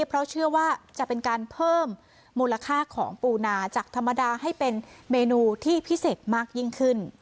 เพราะเชื่อว่าจะเป็นการเพิ่มมูลค่าของปูนาจากธรรมดาให้เป็นเมนูที่พิเศษมากยิ่งขึ้น